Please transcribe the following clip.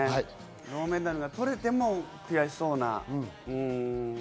銅メダルが取れても悔しそうで。